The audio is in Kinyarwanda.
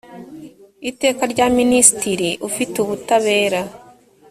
iteka rya minisitiri ufite ubutabera